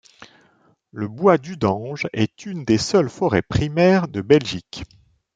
Le bois d'Udange est une des seules forêts primaires de Belgique.